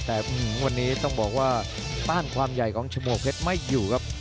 แต่วันนี้ต้องบอกว่าต้านความใหญ่ของชมวกเพชรไม่อยู่ครับ